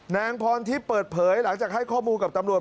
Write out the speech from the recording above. นางพรทิพย์เปิดเผยหลังจากให้ข้อมูลกับตำรวจ